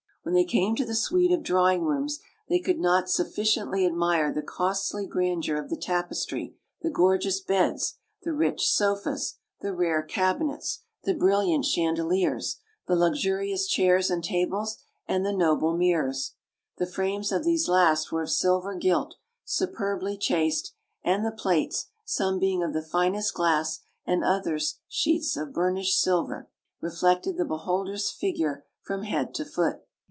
When they came to the suite of drawing rooms they could not sufficiently admire the costly grandeur of the tapestry, the gorgeous beds, the rich sofas, the rare cabinets, the brilliant chandeliers, the luxurious chairs and tables, and the noble mirrors; the frames of these last were of silver gilt, superbly chased, and the plates, some being of the finest glass and others sheets of burnished silver, reflected the beholder's figure from head to foot.